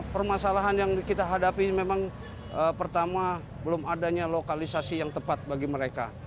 permasalahan yang kita hadapi memang pertama belum adanya lokalisasi yang tepat bagi mereka